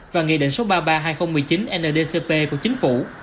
và nghị định số ba mươi ba hai nghìn một mươi chín ndcp của chính phủ